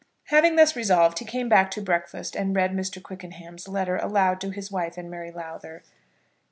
Having thus resolved he came back to breakfast and read Mr. Quickenham's letter aloud to his wife and Mary Lowther.